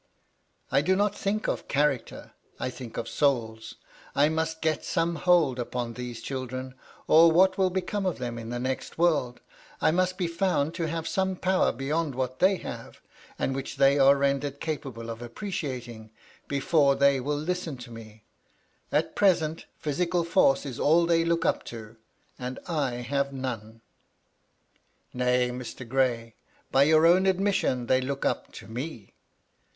" I do not think of character : I think of souls. I must get some hold upon these children, or what will become of them in the next world ? I must be found to have some power beyond what they have, and which they are rendered capable of appreciating, before they MY LADY LUDLOW. 237 will listen to me. At present, physical force is all they look up to ; and I have none." " Nay, Mr. Gray, by your own admission, they look up to me."